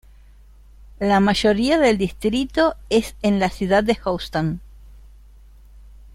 La mayoría del distrito es en la Ciudad de Houston.